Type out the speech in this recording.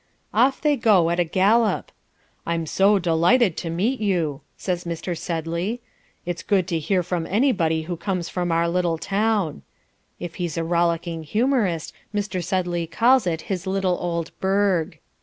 Off they go at a gallop. "I'm so delighted to meet you," says Mr. Sedley. "It's good to hear from anybody who comes from our little town." (If he's a rollicking humourist, Mr. Sedley calls it his little old "burg.")